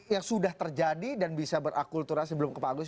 yang sudah terjadi dan bisa berakulturasi belum ke pak agus